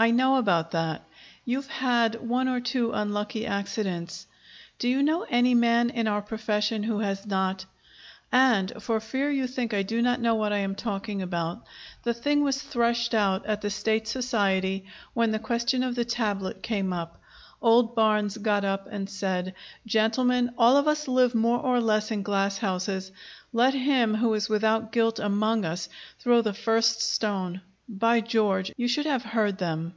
I know about that. You'd had one or two unlucky accidents. Do you know any man in our profession who has not? And, for fear you think I do not know what I am talking about, the thing was threshed out at the State Society when the question of the tablet came up. Old Barnes got up and said: "Gentlemen, all of us live more or less in glass houses. Let him who is without guilt among us throw the first stone!" By George! You should have heard them!